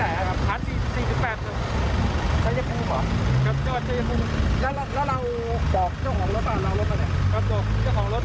แล้วทำไมตำรวจเนี่ยกอดไม่จอด